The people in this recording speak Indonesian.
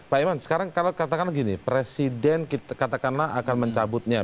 pak iman sekarang kalau katakanlah gini presiden katakanlah akan mencabutnya